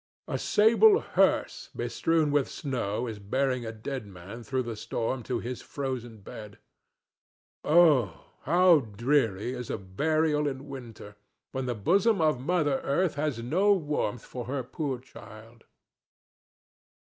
A sable hearse bestrewn with snow is bearing a dead man through the storm to his frozen bed. Oh how dreary is a burial in winter, when the bosom of Mother Earth has no warmth for her poor child!